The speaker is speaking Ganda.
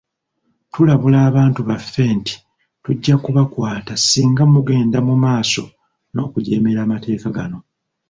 Tulabula abantu baffe nti tujja kubakwata singa munaagenda mu maaso n'okujeemera amateeka gano.